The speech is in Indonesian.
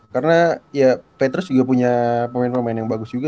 karena ya petrus juga punya pemain pemain yang bagus juga